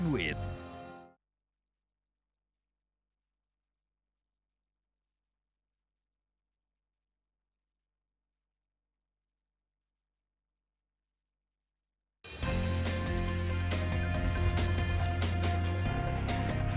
kita sudah memilih perkembangan yang berbeda sebelum terjadi